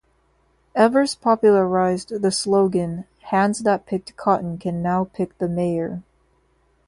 Evers popularized the slogan, Hands that picked cotton can now pick the mayor.